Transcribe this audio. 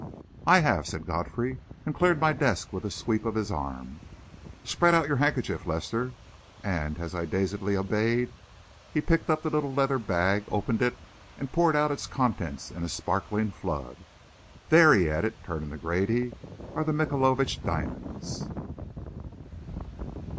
"I have," said Godfrey, and cleared my desk with a sweep of his arm. "Spread out your handkerchief, Lester," and as I dazedly obeyed, he picked up the little leather bag, opened it, and poured out its contents in a sparkling flood. "There," he added, turning to Grady, "are the Michaelovitch diamonds."